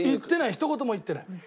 ひと言も言ってない。